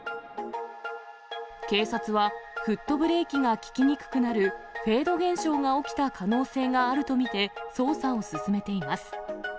警察は、フットブレーキが利きにくくなるフェード現象が起きた可能性があると見て、捜査を進めています。